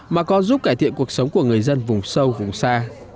mà còn giúp cải thiện cuộc sống của người dân vùng sâu vùng xa